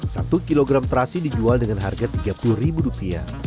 satu kilogram terasi dijual dengan harga rp tiga puluh